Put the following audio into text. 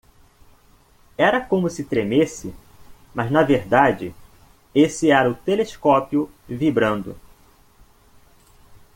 Era como se tremesse?, mas na verdade esse era o telescópio vibrando.